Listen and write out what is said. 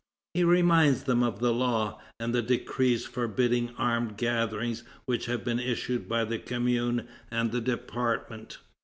He reminds them of the law, and the decrees forbidding armed gatherings which have been issued by the Commune and the Department.